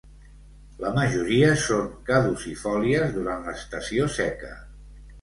La majoria són caducifòlies durant l'estació seca.